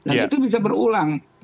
itu bisa berulang